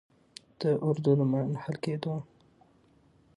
د اردو د منحل کیدو